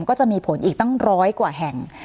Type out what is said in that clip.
ก็จะมีผลอีกตั้ง๑๐๐ก็แห่ง